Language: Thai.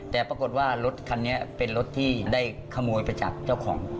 แต่ปรากฏว่ารถคันนี้เป็นรถที่ได้ขโมยไปจากเจ้าของ